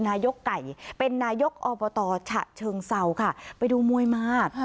นายกไก่เป็นนายกอบตฉะเชิงเศร้าค่ะไปดูมวยมา